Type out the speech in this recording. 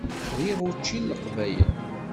Riɣ učči n Leqbayel.